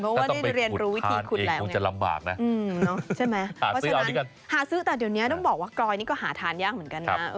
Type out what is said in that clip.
เพราะว่าที่เรียนรู้วิธีขุดแล้วเนี่ยหาซื้อแต่เดี๋ยวนี้ต้องบอกว่ากลอยนี่ก็หาทานยากเหมือนกันนะ